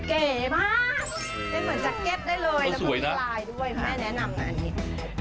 ก็สวยนะเราก็มีลายด้วยแม่แนะนำนะอันนี้